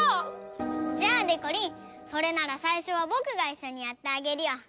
じゃあでこりんそれならさいしょはぼくがいっしょにやってあげるよ。